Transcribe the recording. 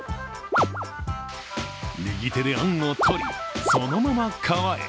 右手であんを取り、そのまま皮へ。